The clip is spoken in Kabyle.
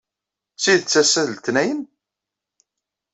D tidet ass-a d letniyen?